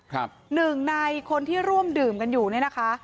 หนึ่งในคนที่ร่วมดื่มกันอยู่เนี่ยนะคะ